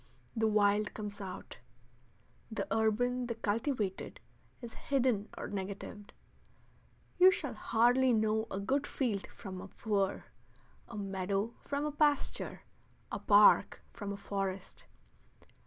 The wild comes out. The urban, the cultivated, is hidden or negatived. You shall hardly know a good field from a poor, a meadow from a pasture, a park from a forest.